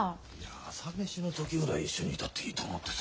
朝飯の時ぐらい一緒にいたっていいと思ってさ。